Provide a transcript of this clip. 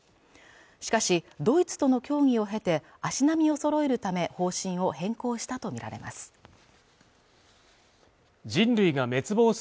しかしドイツとの協議を経て足並みをそろえるため方針を変更したと見られます